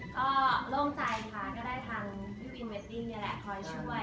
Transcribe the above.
ก็โล่งใจค่ะก็ได้ทางพี่วิมเรตติ้งนี่แหละคอยช่วย